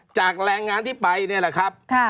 แรงงานที่ไปนี่แหละครับ